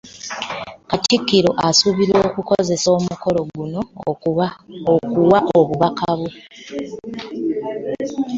Katikkiro asuubirwa okukozesa omukolo guno okuwa obubaka bwe